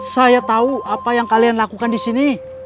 saya tahu apa yang kalian lakukan di sini